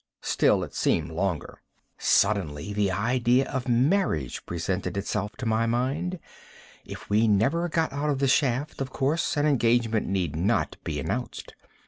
Still it seemed longer. Suddenly the idea of marriage presented itself to my mind. If we never got out of the shaft, of course an engagement need not be announced.